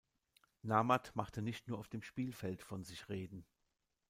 Namath machte nicht nur auf dem Spielfeld von sich reden.